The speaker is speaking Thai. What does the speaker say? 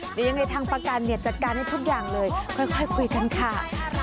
เดี๋ยวยังไงทางประกันเนี่ยจัดการให้ทุกอย่างเลยค่อยคุยกันค่ะ